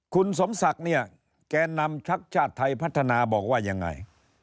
คุณสมศักดิ์เนี่ยแก่นำชักชาติไทยพัฒนาบอกว่ายังไง